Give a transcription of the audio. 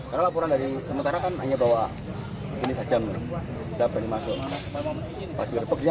karena laporan dari sementara kan hanya bahwa ini saja menurut saya